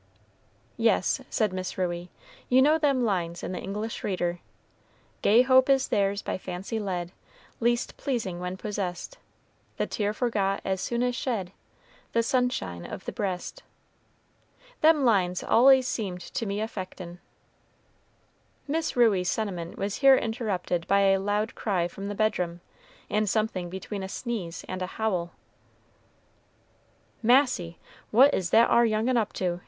"Yes," said Miss Ruey; "you know them lines in the 'English Reader,' 'Gay hope is theirs by fancy led, Least pleasing when possessed; The tear forgot as soon as shed, The sunshine of the breast.' Them lines all'ys seemed to me affectin'." Miss Ruey's sentiment was here interrupted by a loud cry from the bedroom, and something between a sneeze and a howl. "Massy! what is that ar young un up to!"